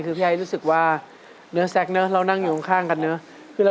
คณะกรรมการเชิญเลยครับพี่อยากให้ก่อนก็ได้จ้ะนู้นไปก่อนเพื่อนเลย